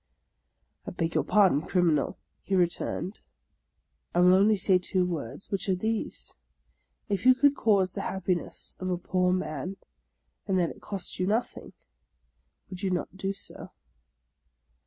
"" I beg your pardon, Criminal," he returned ;" I will only say two words, which are these: If you could cause the hap piness of a poor man, and that it cost you nothing, would you not do so?